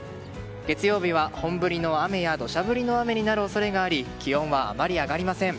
月曜日は本降りの雨や土砂降りの雨になる恐れがあり気温はあまり上がりません。